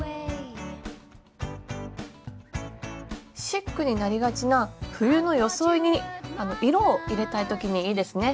シックになりがちな冬の装いに色を入れたい時にいいですね。